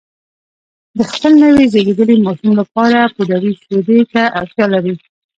د خپل نوي زېږېدلي ماشوم لپاره پوډري شیدو ته اړتیا لري